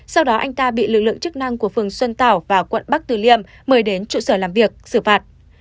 sau đó anh ta bị lực lượng chức năng của phường xuân tảo và quận bắc từ liêm mời đến trụ sở làm việc xử phạt